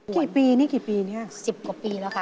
กี่ปีนี่กี่ปีเนี่ย๑๐กว่าปีแล้วค่ะ